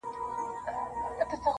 ها د خوشحال او د امان د ارمانونو کیسې,